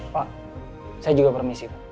pak saya juga bermisi pak